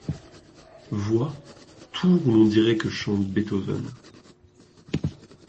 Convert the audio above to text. Vois : tours où l’on dirait que chante Beethoven